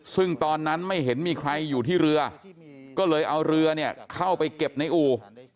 ซึ่งตอนนั้นไม่เห็นมีใครอยู่ที่เรือก็เลยเอาเรือเนี่ยเข้าไปเก็บในอู่